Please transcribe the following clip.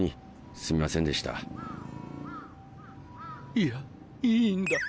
いやいいんだ。